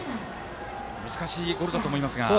難しいゴロだと思いますが。